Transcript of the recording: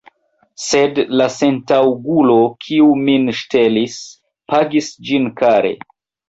Sed la sentaŭgulo, kiu min ŝtelis, pagis ĝin kare.